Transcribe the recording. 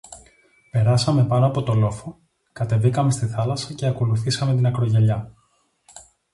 Περάσαμε πάνω από το λόφο, κατεβήκαμε στη θάλασσα και ακολουθήσαμε την ακρογιαλιά